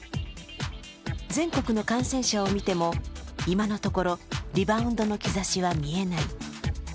全国の感染者を見ても今のところ、リバウンドの兆しは見えない。